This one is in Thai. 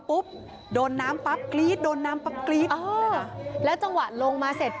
อุทธิวัฒน์อิสธิวัฒน์